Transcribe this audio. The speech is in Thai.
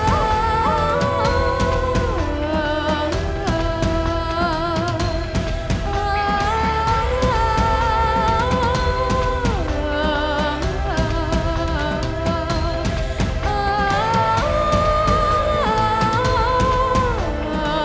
อ้าวอ้าวอ้าวอ้าว